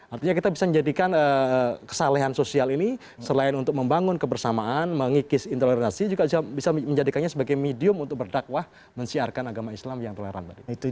artinya kita bisa menjadikan kesalahan sosial ini selain untuk membangun kebersamaan mengikis intoleransi juga bisa menjadikannya sebagai medium untuk berdakwah mensiarkan agama islam yang toleran tadi